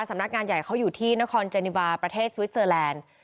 สำนักงานใหญ่เขาอยู่ที่นครเจนิวาประเทศสวิสเตอร์แลนด์